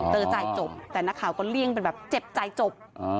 ใจจบแต่นักข่าวก็เลี่ยงเป็นแบบเจ็บใจจบ